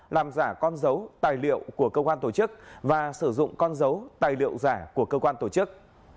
làm giả con dấu tài liệu của cơ quan tổ chức và sử dụng con dấu tài liệu giả của cơ quan tổ chức